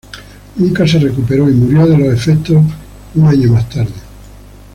Nunca se recuperó, y murió de los efectos de un año más tarde.